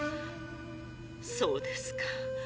そうですか。